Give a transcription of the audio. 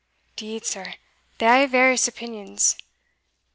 "'Deed, sir, they hae various opinions.